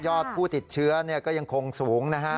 ผู้ติดเชื้อก็ยังคงสูงนะฮะ